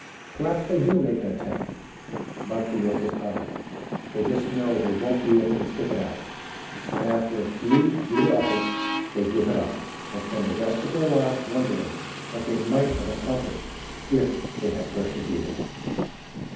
Perhaps they do make an attempt, but the work is hard, they just know that they won't be able to stick it out, and after a few futile efforts they give it up, and spend the rest of their lives wondering what they might have accomplished if they had persevered.